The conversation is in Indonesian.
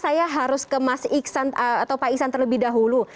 saya harus ke mas iksan atau pak iksan terlebih dahulu